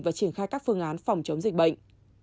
và triển khai các phương án phòng chống dịch bệnh